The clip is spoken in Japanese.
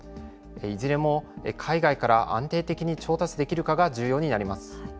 いずれも海外から安定的に調達できるかが重要になります。